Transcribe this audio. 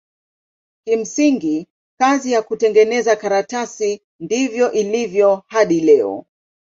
Kimsingi kazi ya kutengeneza karatasi ndivyo ilivyo hadi leo.